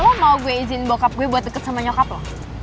lo mau gue izin bokap gue buat deket sama nyokap loh